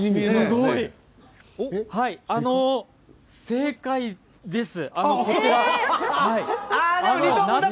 正解です。